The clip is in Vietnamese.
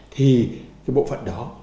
thì cái bộ phận đó